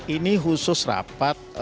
ini khusus rapat